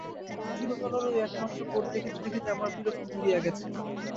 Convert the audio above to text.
চিরকাল ওর ঐ একমাত্র কোট দেখিতে দেখিতে আমার বিরক্ত ধরিয়া গেছে।